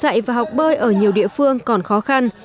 điều kiện dạy và học bơi ở nhiều địa phương còn khó khăn